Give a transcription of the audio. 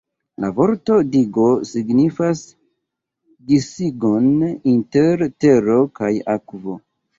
La vorto 'digo' signifas disigon inter tero kaj akvo.